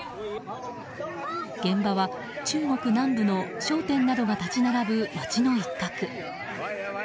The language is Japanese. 現場は、中国南部の商店などが立ち並ぶ街の一角。